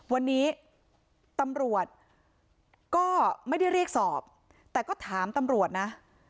วันนี้ตำรวจก็ไม่ได้เรียกสอบแต่ก็ถามตำรวจนะ